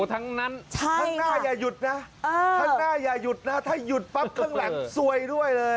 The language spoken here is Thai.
ข้างหน้ายาหยุดนะถ้ายอดปั๊บข้างหลังซวยด้วยเลย